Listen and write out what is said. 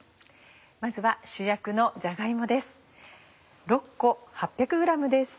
まずは主役のじゃが芋です。